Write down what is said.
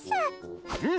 うん！